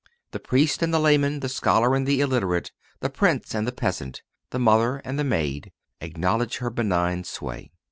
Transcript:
The priest and the layman, the scholar and the illiterate, the prince and the peasant, the mother and the maid, acknowledge her benign sway.